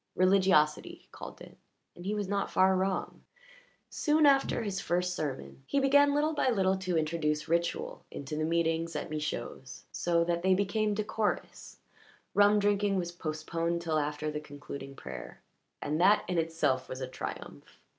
Religiosity, he called it and he was not far wrong. Soon after his first sermon he began little by little to introduce ritual into the meetings at Michaud's, so that they became decorous; rum drinking was postponed till after the concluding prayer, and that in itself was a triumph.